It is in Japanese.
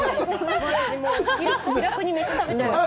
逆にめっちゃ食べちゃいました。